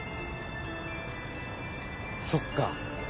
そっか。